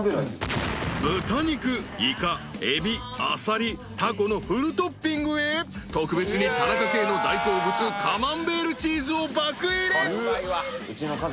［豚肉イカエビアサリタコのフルトッピングへ特別に田中圭の大好物カマンベールチーズを爆入れ］